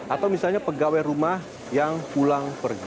atau misalnya pegawai rumah yang pulang pergi